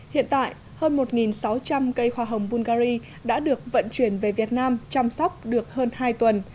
hiện tại hơn một sáu trăm linh cây hoa hồng bungary đã được vận chuyển về việt nam chăm sóc được hơn hai tuần